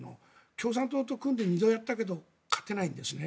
共産党と組んで２度やったけど勝てないんですね。